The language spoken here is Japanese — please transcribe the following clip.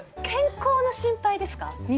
健康の心配ですか？